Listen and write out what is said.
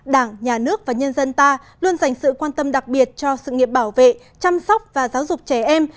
đảng nhà nước và nhân dân ta luôn dành sự quan tâm đặc biệt cho sự nghiệp bảo vệ chăm sóc và giáo dục trẻ em